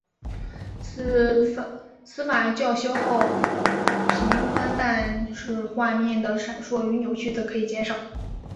此法较消耗频宽但是画面的闪烁与扭曲则可以减少。